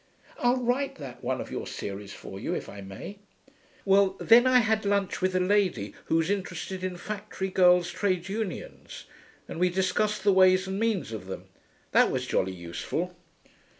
I'll write that one of your series for you, if I may.) Well, then I had lunch with a lady who's interested in factory girls' trade unions, and we discussed the ways and means of them. That was jolly useful.'